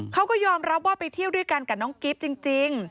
เขาก็ยอมรับว่าไปเที่ยวด้วยกันกับน้องกิ๊บจริง